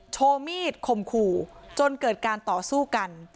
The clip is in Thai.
โชว์มีดข่มขู่จนเกิดการต่อสู้กัน